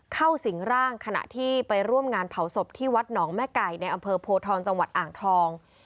สิ่งร่างขณะที่ไปร่วมงานเผาศพที่วัดหนองแม่ไก่ในอำเภอโพทองจังหวัดอ่างทอง